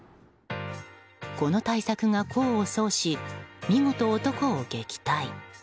この対策が功を奏し見事、男を撃退。